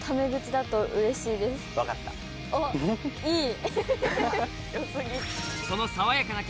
いい！